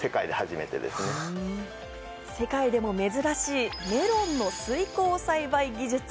世界でも珍しいメロンの水耕栽培技術。